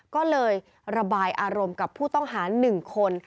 ก็เลยระบายอารมณ์กับผู้ต้องหา๑คน